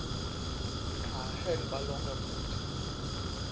A nhyelba loñge mut.